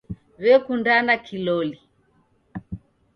W'ekundana kiloli